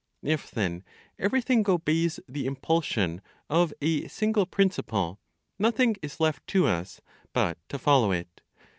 If then everything obeys the impulsion of a single principle, nothing is left to us but to follow it.